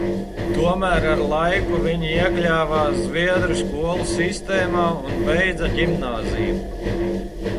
Tomēr ar laiku viņi iekļāvās zviedru skolu sistēmā un beidza ģimnāziju.